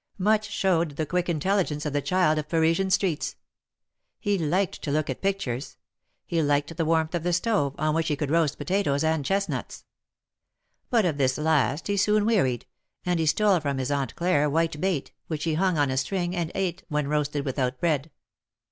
Much showed the quick intelligence of the child of Parisian streets. He liked to look at pictures. He liked 150 THE MARKETS OF PARIS. the warmth of the stove, on which he could roast potatoes and chestnuts. But of this last he soon wearied, and he stole from his Aunt Claire white bait, which he hung on a string, and eat when roasted without bread.